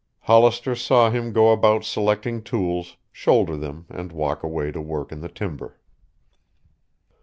Hollister saw him go about selecting tools, shoulder them and walk away to work in the timber.